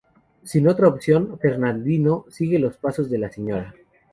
Sin otra opción, Ferdinando sigue los pasos de la Sra.